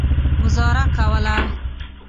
ګوزاره کوله.